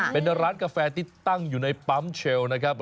เป็นร้านกาแฟที่ตั้งอยู่ในปั๊มเชลล์นะครับ